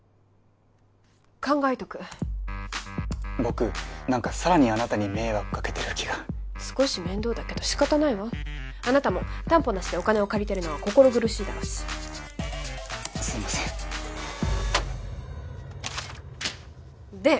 考えとく僕何かさらにあなたに迷惑かけてる気が少し面倒だけど仕方ないわあなたも担保なしでお金を借りてるのは心苦しいだろうしすいませんで